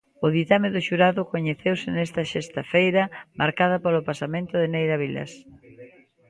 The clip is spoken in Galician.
O ditame do xurado coñeceuse nesta sexta feira marcada polo pasamento de Neira Vilas.